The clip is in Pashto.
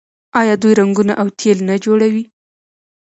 آیا دوی رنګونه او تیل نه جوړوي؟